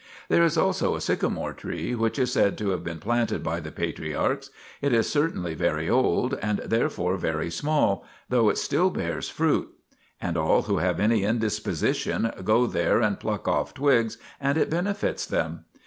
There is also a sycomore tree, which is said to have been planted by the patriarchs ; it is certainly very old, and therefore very small, though it still bears fruit. And all who have any indisposition go there and pluck off twigs, and it benefits them.